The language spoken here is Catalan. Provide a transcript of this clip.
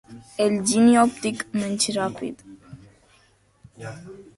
El giny òptic menys ràpid.